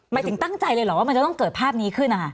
หมายถึงตั้งใจเลยหรือว่ามันจะต้องเกิดภาพนี้ขึ้น